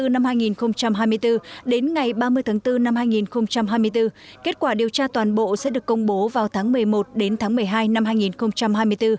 năm hai nghìn hai mươi bốn đến ngày ba mươi tháng bốn năm hai nghìn hai mươi bốn kết quả điều tra toàn bộ sẽ được công bố vào tháng một mươi một đến tháng một mươi hai năm hai nghìn hai mươi bốn